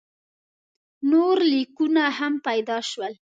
نور لیکونه هم پیدا شول.